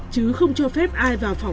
chứ không cho phép ai vào phòng phòng